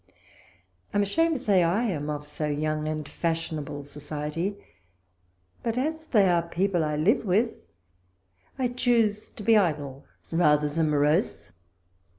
I am ashamed to say I am of so young and fashionable society ; but as they are people I live with, I choose to be idle rather than morose.